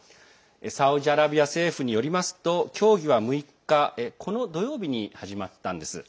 サウジアラビア政府によりますと協議は６日この土曜日に始まったんです。